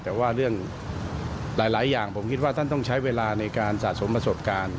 แต่ว่าเรื่องหลายอย่างผมคิดว่าท่านต้องใช้เวลาในการสะสมประสบการณ์